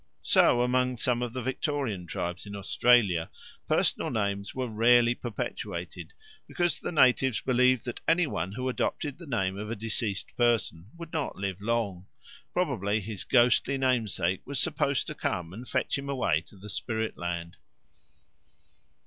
So among some of the Victorian tribes in Australia personal names were rarely perpetuated, because the natives believed that any one who adopted the name of a deceased person would not live long; probably his ghostly namesake was supposed to come and fetch him away to the spirit land.